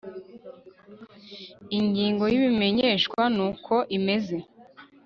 ingingo yibimenyeshwa nuko imeze